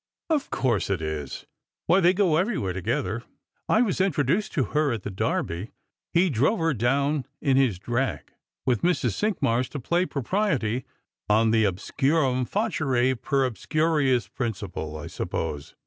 " Of course it is. Why, they go everywhere together. I was introduced to her at the Derby ; he drove her down in his drag, with Mrs. Cinqmars to play Propriety, on the obscurum facere •per ohscurius principle, I suppose.